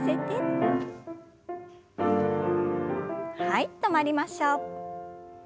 はい止まりましょう。